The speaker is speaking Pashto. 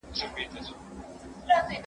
موږ د خپلو کالیو په پاک ساتلو اخته یو.